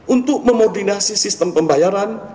untuk memobisi sistem pembayaran